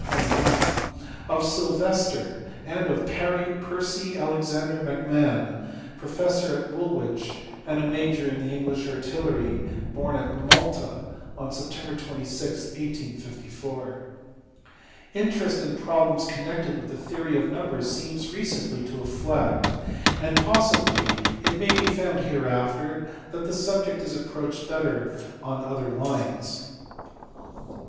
469, 478, 481), of Sylvester (see pp. 461, 478, 482), and of Percy Alexander Macmahon, professor at Woolwich and a major in the English artillery, born at Malta on Sept. 26, 1854 (see below, p. 479). Interest in problems connected with the theory of numbers seems recently to have flagged, and possibly it may be found hereafter that the subject is approached better on other lines.